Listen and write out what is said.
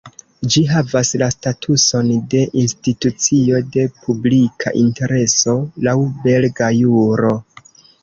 Ĝi havas la statuson de "Institucio de Publika Intereso", laŭ belga juro.